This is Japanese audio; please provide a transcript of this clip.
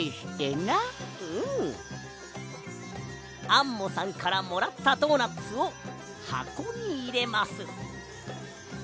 アンモさんからもらったドーナツをはこにいれます。